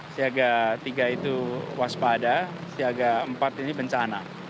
siaga tiga itu waspada siaga empat ini bencana